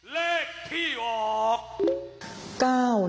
เลขที่ออก๙๑